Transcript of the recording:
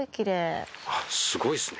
あっすごいっすね。